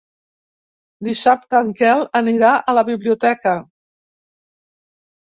Dissabte en Quel anirà a la biblioteca.